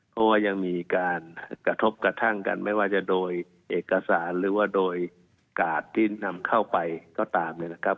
เพราะว่ายังมีการกระทบกระทั่งกันไม่ว่าจะโดยเอกสารหรือว่าโดยกาดที่นำเข้าไปก็ตามเนี่ยนะครับ